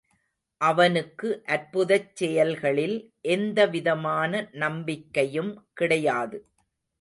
அவனுக்கு அற்புதச் செயல்களில் எந்த விதமான நம்பிக்கையும் கிடையாது.